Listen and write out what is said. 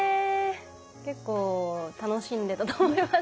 結構楽しんでたと思います。